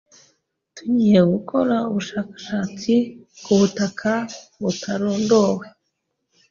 Tugiye gukora ubushakashatsi kubutaka butarondowe.